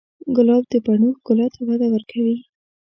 ګلاب د بڼو ښکلا ته وده ورکوي.